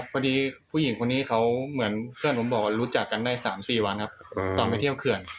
พอดีผู้หญิงคนนี้เขาเหมือนเพื่อนผมบอกว่ารู้จักกันได้๓๔วันครับตอนไปเที่ยวเขื่อน